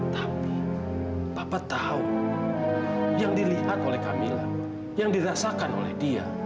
tapi papa tahu yang dilihat oleh camillah yang dirasakan oleh dia